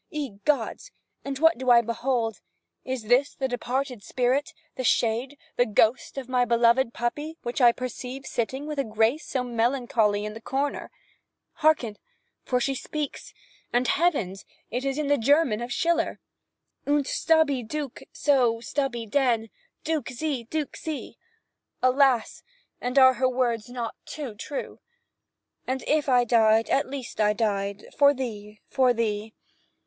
Ye gods! and what do I behold—is that the departed spirit, the shade, the ghost, of my beloved puppy, which I perceive sitting with a grace so melancholy, in the corner? Hearken! for she speaks, and, heavens! it is in the German of Schiller— "Unt stubby duk, so stubby dun Duk she! duk she!" Alas! and are not her words too true? "And if I died, at least I died For thee—for thee."